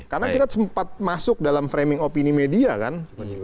karena kita sempat masuk dalam framing opini media kan